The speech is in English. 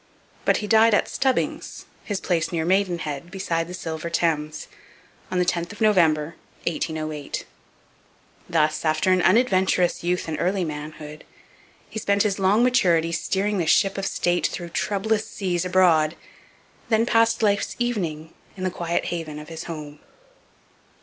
But he died at Stubbings, his place near Maidenhead beside the silver Thames, on the 10th of November 1808. Thus, after an unadventurous youth and early manhood, he spent his long maturity steering the ship of state through troublous seas abroad; then passed life's evening in the quiet haven of his home.